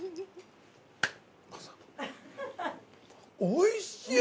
◆おいしい。